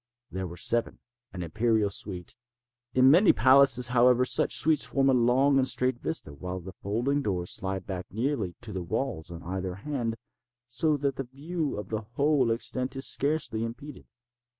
There were seven—an imperial suite. In many palaces, however, such suites form a long and straight vista, while the folding doors slide back nearly to the walls on either hand, so that the view of the whole extent is scarcely impeded.